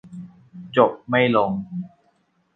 จบไม่ลง